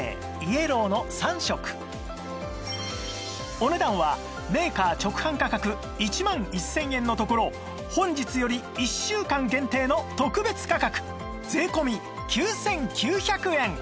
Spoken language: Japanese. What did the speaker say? お値段はメーカー直販価格１万１０００円のところを本日より１週間限定の特別価格税込９９００円